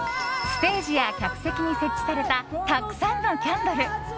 ステージや客席に設置されたたくさんのキャンドル。